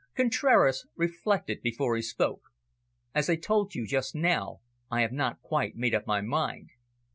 Contraras reflected before he spoke. "As I told you just now, I have not quite made up my mind."